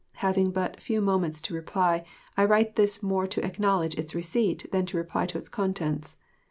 Having but few moments to reply, I write this more to acknowledge its receipt than to reply to its contents.